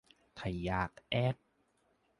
ถ้าอยากแอด